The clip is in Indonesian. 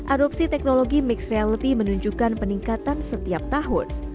adopsi teknologi mixed reality menunjukkan peningkatan setiap tahun